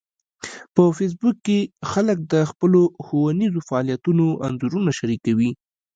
په فېسبوک کې خلک د خپلو ښوونیزو فعالیتونو انځورونه شریکوي